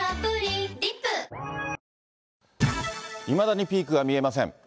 いまだにピークが見えません。